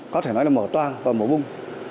có thể nói là mở toan và mở bung